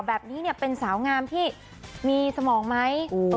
แบบนี้เป็นสาวงามที่มีสมองไหม